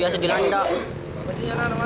biasa di situ